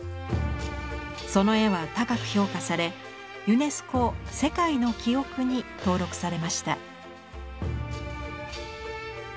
その絵は高く評価されユネスコ「世界の記憶」に登録されました。